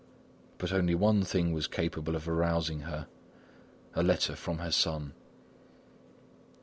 But only one thing was capable of arousing her: a letter from her son.